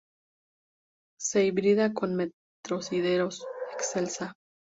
Se hibrida con "Metrosideros excelsa.".